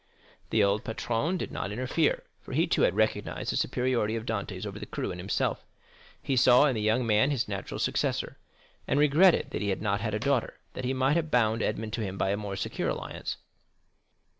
The old patron did not interfere, for he too had recognized the superiority of Dantès over the crew and himself. He saw in the young man his natural successor, and regretted that he had not a daughter, that he might have bound Edmond to him by a more secure alliance.